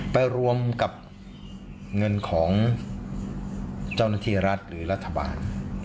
ไปรวมกับเงินของเจ้าหน้าที่รัฐหรือรัฐบาล